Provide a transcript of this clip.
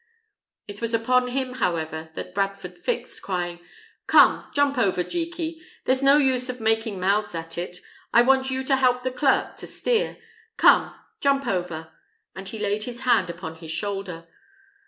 It was upon him, however, that Bradford fixed, crying, "Come, jump over, Jeky; there's no use of making mouths at it. I want you to help the clerk to steer. Come, jump over!" and he laid his hand upon his shoulder.